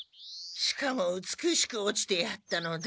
しかもうつくしく落ちてやったのだ。